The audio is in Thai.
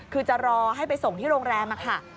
คือจะรอให้ไปส่งที่โรงแรมค่ะ